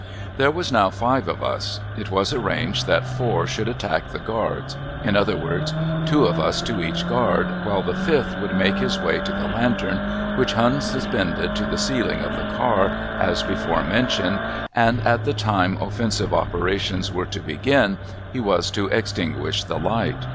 There were now five of us. It was arranged that four should attack the guards. In other words, two of us to each guard, while the fifth should make his way to the lantern which hung suspended to the ceiling of the car, as before mentioned, and at the time offensive operations were to begin he was to extinguish the light.